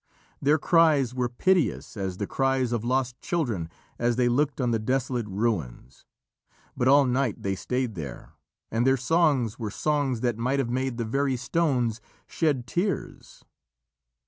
Their cries were piteous as the cries of lost children as they looked on the desolate ruins, but all night they stayed there, and their songs were songs that might have made the very stones shed tears.